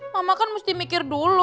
mama kan mesti mikir dulu